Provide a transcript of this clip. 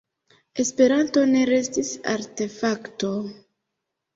Esperanto ne restis artefakto.